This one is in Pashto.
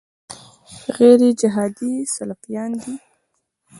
غیرجهادي سلفیان دي.